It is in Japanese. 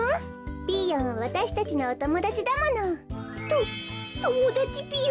ピーヨンはわたしたちのおともだちだもの。とともだちぴよ。